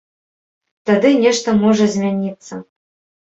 Тады нешта можа змяніцца.